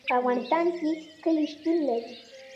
په افغانستان کې کلي شتون لري.